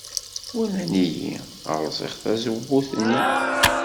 Walan-iyi rẓiɣ tazewwut-nni.